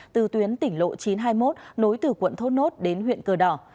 từ tuyến tỉnh lộ chín trăm hai mươi một nối từ quận thốt nốt đến huyện cờ đỏ